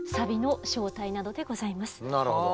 なるほど。